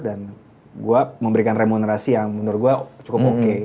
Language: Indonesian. dan gue memberikan remunerasi yang menurut gue cukup oke